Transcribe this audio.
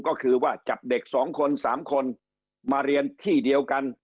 ก็คือว่าจับเด็ก๒คน๓คนมาเรียนที่เดียวกัน